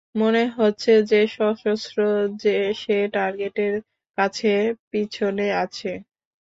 মনে হচ্ছে সে সশস্ত্র সে টার্গেটের কাছে পিছনে আছে।